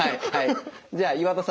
じゃあ岩田さん